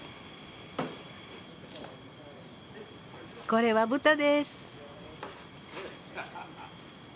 これは豚です。